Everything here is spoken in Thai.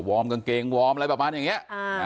วอร์มกางเกงวอร์มอะไรประมาณอย่างเงี้ย